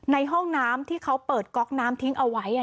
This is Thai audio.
ในห้องน้ำที่เขาเปิดก๊อกน้ำทิ้งเอาไว้